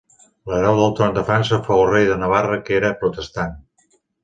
L'hereu del tron de França fou el rei de Navarra que era protestant.